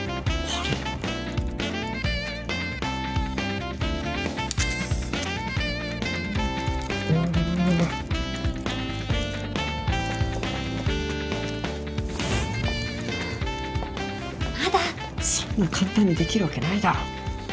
そんな簡単にできるわけないだろ。